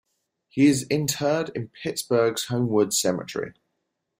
He is interred in Pittsburgh's Homewood Cemetery.